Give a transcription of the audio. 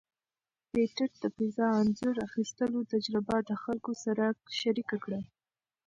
پېټټ د فضا انځور اخیستلو تجربه د خلکو سره شریکه کړه.